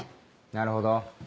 なるほど。